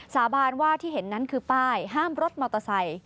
สาบานว่าที่เห็นนั้นคือป้ายห้ามรถมอเตอร์ไซค์